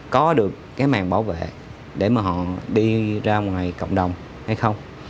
có được cái màng bảo vệ để mà họ đi ra ngoài cộng đồng hay không